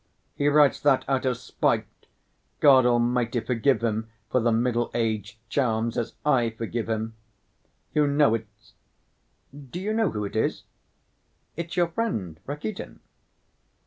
He writes that out of spite! God Almighty forgive him for the middle‐aged charms, as I forgive him! You know it's— Do you know who it is? It's your friend Rakitin."